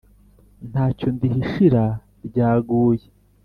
ntacyo ndihishira ryaguye